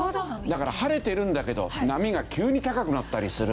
だから晴れているんだけど波が急に高くなったりする。